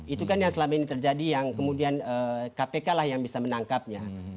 itu kan yang selama ini terjadi yang kemudian kpk lah yang bisa menangkapnya